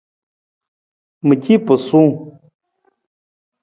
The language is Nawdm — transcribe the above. Mi ci pasuu.